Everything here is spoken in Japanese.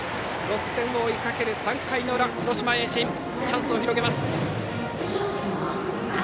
６点を追いかける３回の裏、広島・盈進チャンスを広げます。